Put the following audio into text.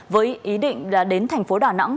với ý định đến thành phố đà nẵng